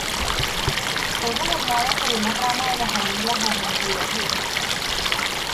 Fue gobernado por una rama de la familia Hohenlohe.